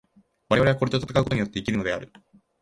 我々はこれと戦うことによって生きるのである。